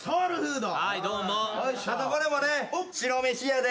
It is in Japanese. あとこれもね白飯やで。